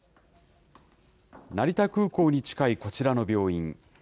成田空港に近いこちらの病院。